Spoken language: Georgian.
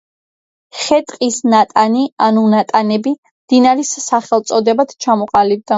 ხე-ტყის ნატანი, ანუ ნატანები, მდინარის სახელწოდებად ჩამოყალიბდა.